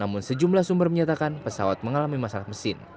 namun sejumlah sumber menyatakan pesawat mengalami masalah mesin